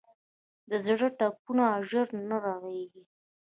د زړه ټپونه ژر نه رغېږي.